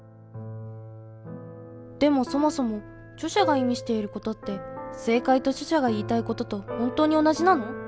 でもそもそも著者が意味していることって正解と著者が言いたいことと本当に同じなの？